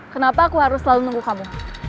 kenapa aku harus selalu nunggu kamu